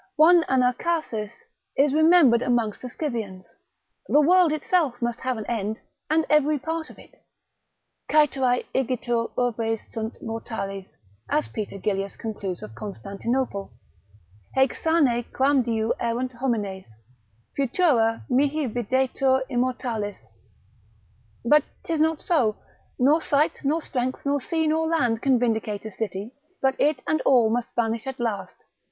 One Anacharsis is remembered amongst the Scythians; the world itself must have an end; and every part of it. Caeterae igitur urbes sunt mortales, as Peter Gillius concludes of Constantinople, haec sane quamdiu erunt homines, futura mihi videtur immortalis; but 'tis not so: nor site, nor strength, nor sea nor land, can vindicate a city, but it and all must vanish at last.